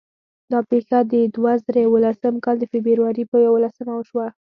دا پېښه د دوه زره یولسم کال د فبرورۍ په یوولسمه وشوه.